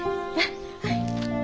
はい。